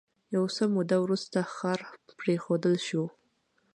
یو څه موده وروسته ښار پرېښودل شو.